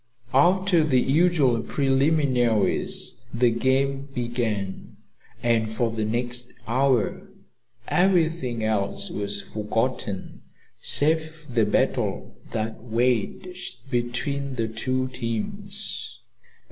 After the usual preliminaries, the game began, and for the next hour everything else was forgotten save the battle that waged between the two teams.